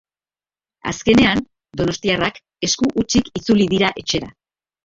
Azkenean, donostiarrak esku hutsik itzuli dira etxera.